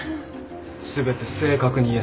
全て正確に言え。